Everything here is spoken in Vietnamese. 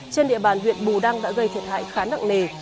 trên địa bàn huyện bù đăng đã gây thiệt hại khá nặng nề